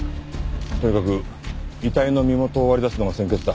とにかく遺体の身元を割り出すのが先決だ。